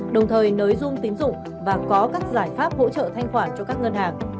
đồng thời nới dung tín dụng và có các giải pháp hỗ trợ thanh khoản cho các ngân hàng